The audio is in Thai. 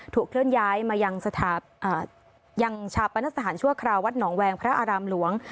เคลื่อนย้ายมายังชาปนสถานชั่วคราววัดหนองแวงพระอารามหลวง